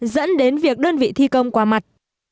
dẫn đến việc đơn vị thi công qua mặt